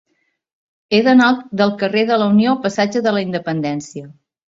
He d'anar del carrer de la Unió al passatge de la Independència.